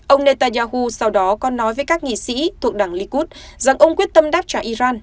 ông netanyahu sau đó còn nói với các nghị sĩ thuộc đảng likud rằng ông quyết tâm đáp trả iran